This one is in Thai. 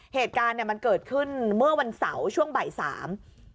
เหตุการณ์เนี้ยมันเกิดขึ้นเมื่อวันเสาร์ช่วงบ่ายสาม